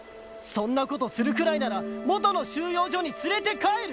そんなことするくらいなら元の収容所に連れて帰る！